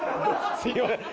すみません。